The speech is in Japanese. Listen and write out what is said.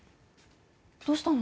どうしたの？